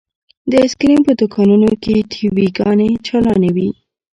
د ايسکريم په دوکانونو کښې ټي وي ګانې چالانې وې.